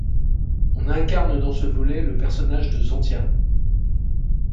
On incarne dans ce volet le personnage de Zanthia.